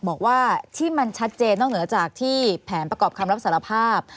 บอกว่าที่มันชัดเจนนอกเหนือจากที่แผนประกอบคำรับสารภาพ